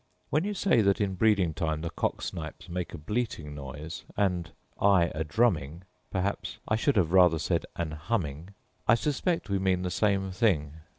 When you say that in breeding time the cock snipes make a bleating noise, and I a drumming (perhaps I should have rather said an humming), I suspect we mean the same thing.